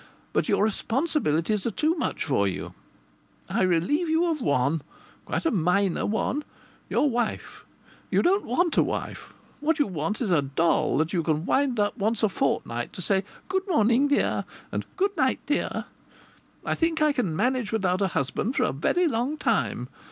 But your responsibilities are too much for you. I relieve you of one, quite a minor one your wife. You don't want a wife. What you want is a doll that you can wind up once a fortnight to say 'Good morning, dear,' and 'Good night, dear.' I think I can manage without a husband for a very long time.